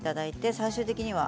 最終的には。